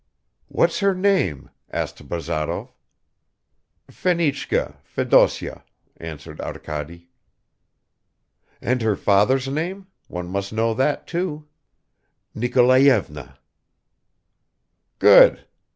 "What's her name?" asked Bazarov. "Fenichka ... Fedosya," answered Arkady. "And her father's name? One must know that, too." "Nikolayevna." "Good.